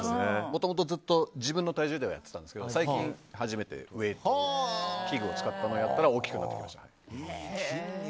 もともとずっと自分の体重ではやってたんですけど最近初めて器具を使ったのをやったら大きくなってきました。